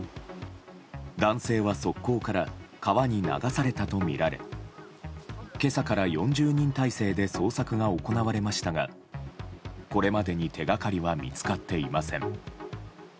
男性は側溝から川に流されたとみられ今朝から４０人態勢で捜索が行われましたがこれまでに手掛かりは見つかっていません。